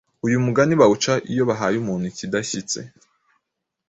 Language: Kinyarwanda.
Uyumugani bawuca iyo bahaye umuntu ikidashyitse